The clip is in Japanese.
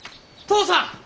父さん！